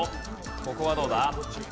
ここはどうだ？